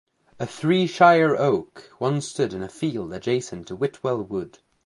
A Three Shire Oak once stood in a field adjacent to Whitwell Wood.